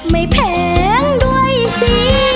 ไม่แพงด้วยซิ